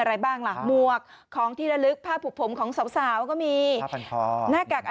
อะไรบ้างหลังมวกของที่ละลึกผ้าผูกผมของสาวก็มีหน้าแก่ก